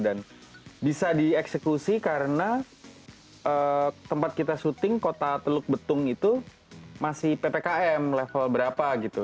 dan bisa dieksekusi karena tempat kita syuting kota teluk betung itu masih ppkm level berapa gitu